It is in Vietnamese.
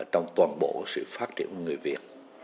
trong toàn bộ sự phát triển của người việt